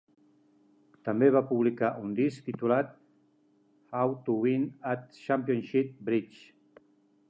També va publicar un disc titulat "How to Win at Championship Bridge".